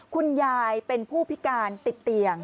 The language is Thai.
คุณยายเป็นผู้พิการติดเตียง